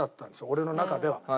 俺の中では。